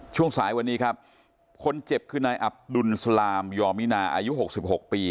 ช่วงสายวันนี้ครับคนเจ็บคือนายอับดุลสลามยอมินาอายุ๖๖ปี